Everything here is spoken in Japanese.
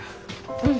うん。